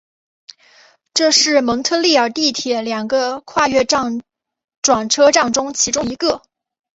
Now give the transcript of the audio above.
这是蒙特利尔地铁两个跨月台转车站中其中一个。